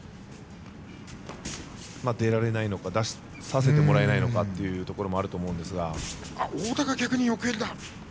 出られないのか出させてもらえないのかというところもあると思うんですが。